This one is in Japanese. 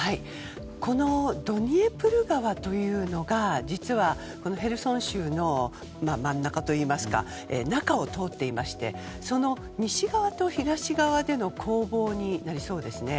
このドニエプル川というのが実はヘルソン州の真ん中といいますか中を通っていましてその西側と東側での攻防になりそうですね。